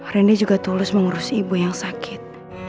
rindy juga tulus mengurus ibu yang sakit